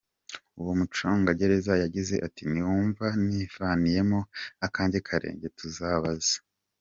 Uwo mucungagereza yagize ati “Niwumva nivaniyemo akanjye karenge ntuzabaze!